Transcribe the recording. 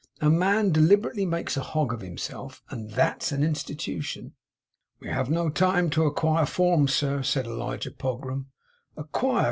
A man deliberately makes a hog of himself, and THAT'S an Institution!' 'We have no time to ac quire forms, sir,' said Elijah Pogram. 'Acquire!